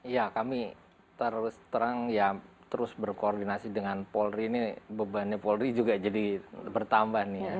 ya kami terus terang ya terus berkoordinasi dengan polri ini bebannya polri juga jadi bertambah nih ya